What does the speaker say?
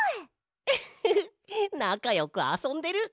ウッフフなかよくあそんでる！